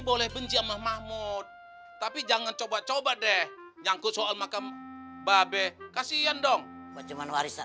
boleh benci sama mahmud tapi jangan coba coba deh nyangkut soal makam babe kasihan dong macam warisan